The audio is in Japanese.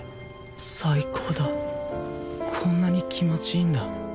最高だこんなに気持ちいいんだ